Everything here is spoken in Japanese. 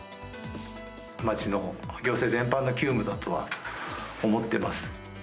町の行政全般の急務だとは思ってます。